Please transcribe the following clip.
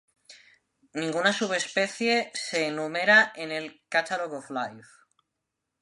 Ninguna subespecie se enumera en el "Catalogue of Life".